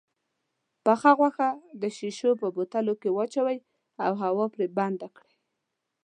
پخه غوښه د شيشو په بوتلو کې واچوئ او هوا پرې بنده کړئ.